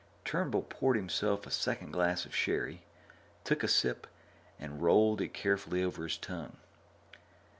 Turnbull poured himself a second glass of sherry, took a sip, and rolled it carefully over his tongue.